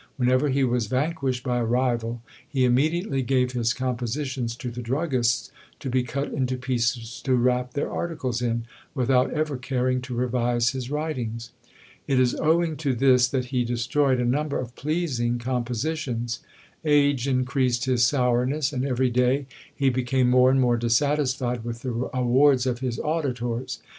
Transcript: Whenever he was vanquished by a rival, he immediately gave his compositions to the druggists to be cut into pieces to wrap their articles in, without ever caring to revise his writings. It is owing to this that he destroyed a number of pleasing compositions; age increased his sourness, and every day he became more and more dissatisfied with the awards of his auditors.